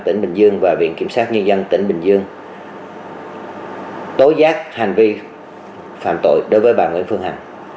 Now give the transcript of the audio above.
tỉnh bình dương và viện kiểm sát nhân dân tỉnh bình dương tối giác hành vi phạm tội đối với bà nguyễn phương hằng